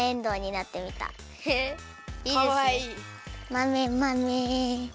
まめまめ。